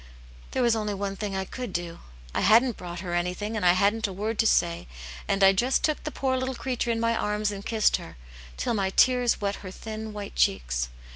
" There was only one thing I could do. I hadn't brought her anything, and I hadn't a word to say, and I just took the poor little creature in my arms and kissed her, till my tears wet her thin, white • cheeks.